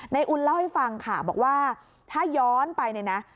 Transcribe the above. อุ่นเล่าให้ฟังค่ะบอกว่าถ้าย้อนไปเนี่ยนะ